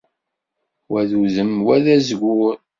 Wa d udem, wa d azgur.